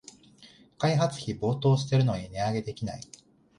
開発費暴騰してるのに値上げできない